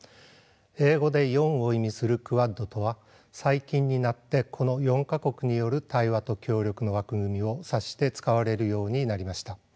英語で「４」を意味するクアッドとは最近になってこの４か国による対話と協力の枠組みを指して使われるようになりました。